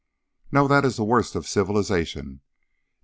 "No, that is the worst of civilization.